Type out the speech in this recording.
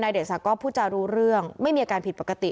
เดชศักดิ์ก็พูดจารู้เรื่องไม่มีอาการผิดปกติ